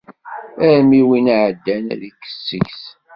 Armi win iɛeddan ad ikkes seg-s.